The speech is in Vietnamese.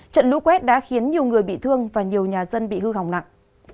trận lũ quét đã khiến nhiều người bị thương và nhiều nhà dân bị hư hỏng nặng